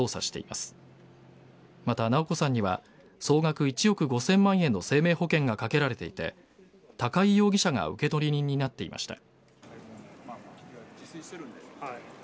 また、直子さんには総額１億５０００万円の生命保険がかけられていて高井容疑者が受取人になっていました。